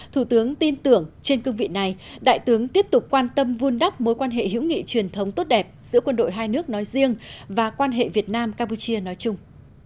thủ tướng tin tưởng trên cương vị này đại tướng tiếp tục quan tâm vun đắp mối quan hệ hữu nghị truyền thống tốt đẹp giữa quân đội hai nước nói riêng và quan hệ việt nam campuchia nói chung